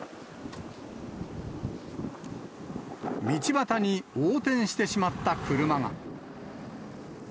道端に横転してしまった車が。